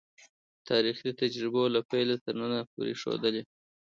تاریخي تجربو له پیله تر ننه پورې ښودلې.